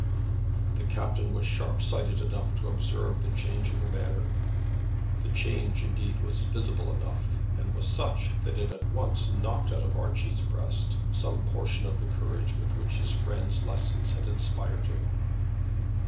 The captain was sharp sighted enough to observe the change in her manner. The change, indeed, was visible enough, and was such that it at once knocked out of Archie's breast some portion of the courage with which his friend's lessons had inspired him.